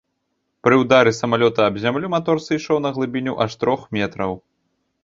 Пры ўдары самалёта аб зямлю матор сышоў на глыбіню аж трох метраў.